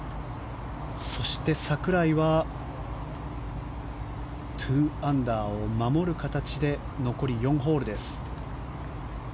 櫻井は２アンダーを守る形で残り４ホールです。